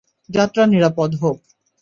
যাত্রা নিরাপদ হোক।